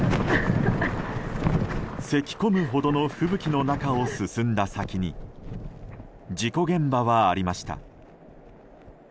せき込むほどの吹雪の中を進んだ先に事故現場はありました。